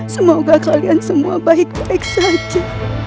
semoga kalian semua baik baik saja